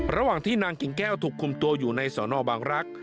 ระหว่างที่นางกิ่งแก้วถูกคุมตัวอยู่ในสนบางรักษ